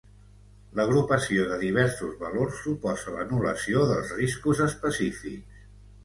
L'agrupació de diversos valors suposa l'anul·lació dels riscos específics.